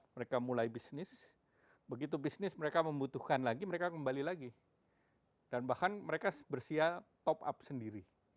mereka mulai bisnis begitu bisnis mereka membutuhkan lagi mereka kembali lagi dan bahkan mereka bersia top up sendiri